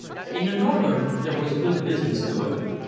In the Northern there was good business doing.